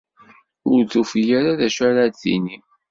Ur tufi ara d acu ara d-tini.